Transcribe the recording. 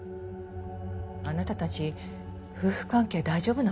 あなたたち夫婦関係大丈夫なの？